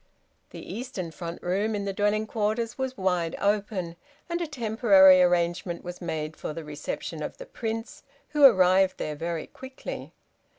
The "eastern front room" in the "dwelling quarters" was wide open, and a temporary arrangement was made for the reception of the Prince, who arrived there very quickly.